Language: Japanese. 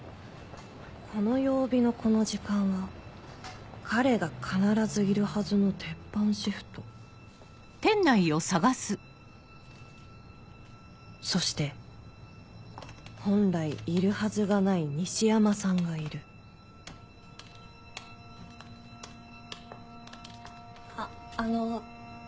この曜日のこの時間は彼が必ずいるはずの鉄板シフトそして本来いるはずがない西山さんがいるあの。